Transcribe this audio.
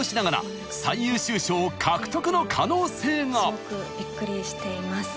すごくビックリしています。